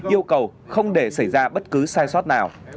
yêu cầu không để xảy ra bất cứ sai sót nào